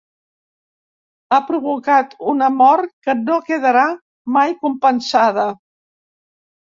Ha provocat una mort que no quedarà mai compensada.